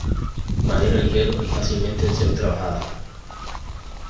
Madera ligero y fácilmente de ser trabajada.